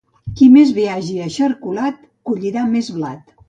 Qui més bé hagi eixarcolat collirà més blat.